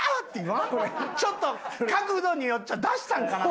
ちょっと角度によっちゃ出したんかな？